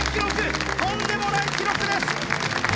とんでもない記録です！